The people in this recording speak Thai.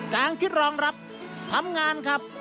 การคิดรองรับทำงานครับ